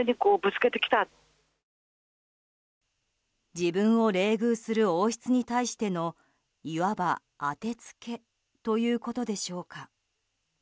自分を冷遇する王室に対してのいわば当てつけということでしょうか。